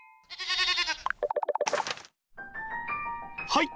はい！